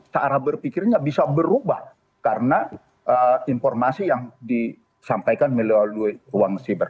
cara berpikirnya bisa berubah karena informasi yang disampaikan melalui uang siber